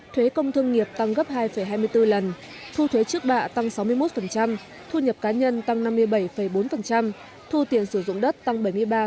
thuế công thương nghiệp tăng gấp hai hai mươi bốn lần thu thuế trước bạ tăng sáu mươi một thu nhập cá nhân tăng năm mươi bảy bốn thu tiền sử dụng đất tăng bảy mươi ba bốn